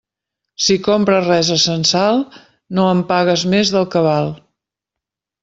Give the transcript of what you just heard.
Si compres res a censal, no en pagues més del que val.